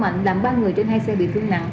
ba người trên hai xe bị thương nặng